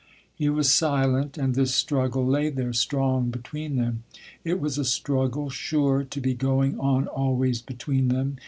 He was silent, and this struggle lay there, strong, between them. It was a struggle, sure to be going on always between them.